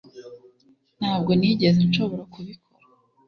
Ntabwo nigeze nshobora kubikora